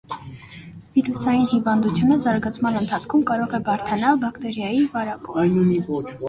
Վիրուսային հիվանդությունը զարգացման ընթացքում կարող է բարդանալ բակտերային վարակով։